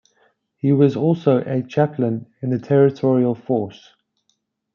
He was also a chaplain in the Territorial Force.